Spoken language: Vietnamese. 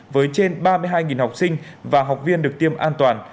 với trên ba mươi hai học sinh và học viên được tiêm an toàn